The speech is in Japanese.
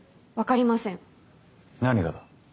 何がだ？